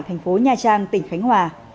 thành phố nha trang tỉnh khánh hòa